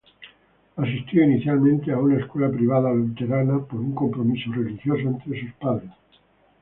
Asistió inicialmente a una escuela privada luterana por un compromiso religioso entre sus padres.